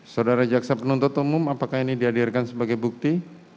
saudara jaksa penuntut umum apakah ini dihadirkan sebagai bukti